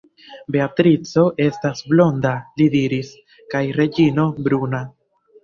Beatrico estas blonda, li diris, kaj Reĝino bruna.